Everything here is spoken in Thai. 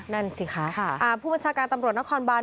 นั่นสิคะผู้บัญชาการตำรวจนครบาน